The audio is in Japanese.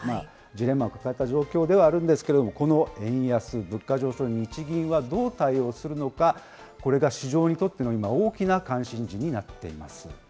ジレンマを抱えた状況ではあるんですけれども、この円安、物価上昇に、日銀はどう対応するのか、これが市場にとっての今、大きな次です。